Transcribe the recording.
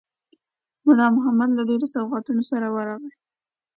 مُلا محمد له ډېرو سوغاتونو سره ورغی.